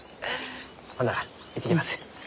ほんなら行ってきます。